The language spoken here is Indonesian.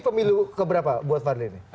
pemilu keberapa buat fadli